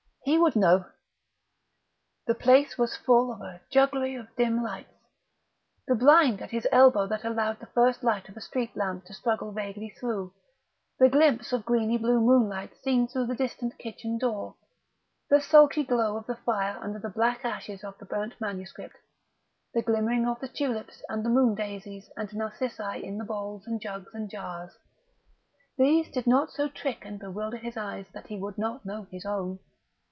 He would know! The place was full of a jugglery of dim lights. The blind at his elbow that allowed the light of a street lamp to struggle vaguely through the glimpse of greeny blue moonlight seen through the distant kitchen door the sulky glow of the fire under the black ashes of the burnt manuscript the glimmering of the tulips and the moon daisies and narcissi in the bowls and jugs and jars these did not so trick and bewilder his eyes that he would not know his Own!